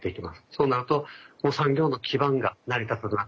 そうなると産業の基盤が成り立たなくなる。